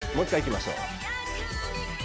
もう１回いきましょう。